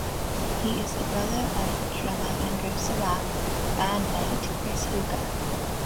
He is the brother of drummer and Grapes of Wrath bandmate Chris Hooper.